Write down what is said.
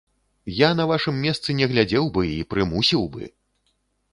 Я на вашым месцы не глядзеў бы і прымусіў бы!